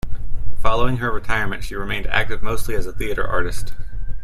Following her retirement, she remained active mostly as a theater artist.